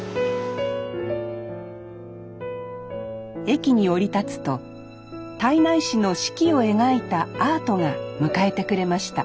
駅に降り立つと胎内市の四季を描いたアートが迎えてくれました